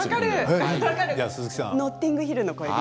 「ノッティングヒルの恋人」。